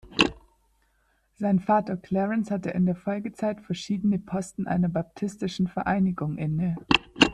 Sein Vater Clarence hatte in der Folgezeit verschiedene Posten einer baptistischen Vereinigung inne.